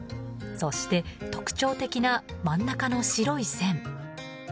そして特徴的な真ん中の白い線。